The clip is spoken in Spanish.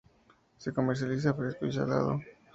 Se comercializa fresco y salado,